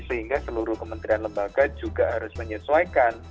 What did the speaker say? sehingga seluruh kementerian lembaga juga harus menyesuaikan